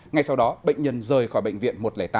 ngay sau đó bệnh nhân rời khỏi bệnh viện một trăm linh tám